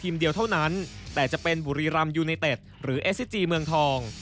เดียวเท่านั้นแต่จะเป็นบุรีรำยูไนเต็ดหรือเอสซิจีเมืองทอง